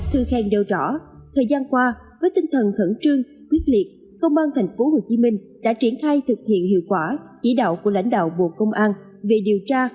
thư khen nêu rõ thời gian qua với tinh thần khẩn trương quyết liệt công an tp hcm đã triển khai thực hiện hiệu quả chỉ đạo của lãnh đạo bộ công an về điều tra